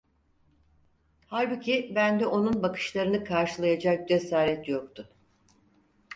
Halbuki bende onun bakışlarını karşılayacak cesaret yoktu.